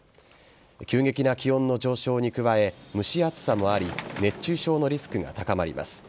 急激な気温の上昇に加え蒸し暑さもあり熱中症のリスクが高まります。